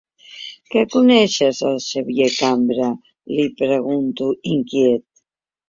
Que coneixes el Xavier Cambra? —li pregunto, inquiet.